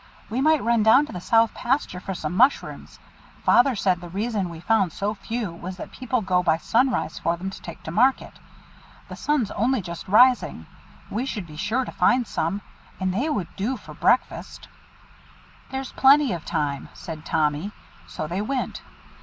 "We might run down to the South Pasture for some mushrooms. Father said the reason we found so few was that people go by sunrise for them to take to market. The sun's only just rising, we should be sure to find some, and they would do for breakfast." "There's plenty of time," said Tommy; so they went.